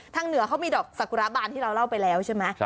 เหนือเขามีดอกสกุระบานที่เราเล่าไปแล้วใช่ไหม